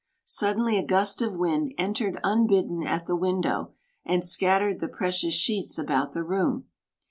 Suddenly a gust of wind entered unbidden at the window and scattered the precious sheets about the room.